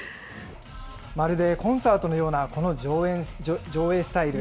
まるでコンサートのようなこの上映スタイル。